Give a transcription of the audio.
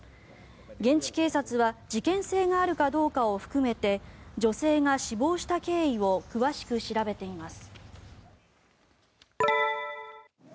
現地警察は事件性があるかどうかを含めて女性が死亡した経緯を詳しく調べています。